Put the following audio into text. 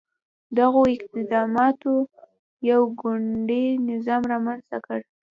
دغو اقداماتو یو ګوندي نظام رامنځته کړ.